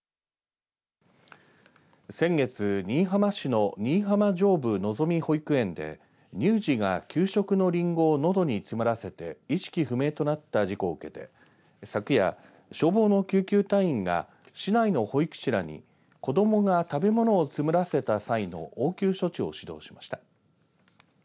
先月、新居浜市の新居浜上部のぞみ保育園で乳児が給食のりんごをのどに詰まらせて意識不明となった事故を受けて昨夜消防の救急隊員が市内の保育士らに子どもが食べ物を詰まらせた際の応急処置を指導しました。